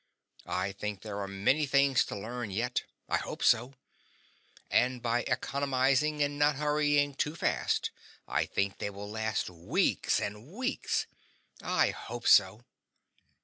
I think there are many things to learn yet I hope so; and by economizing and not hurrying too fast I think they will last weeks and weeks. I hope so.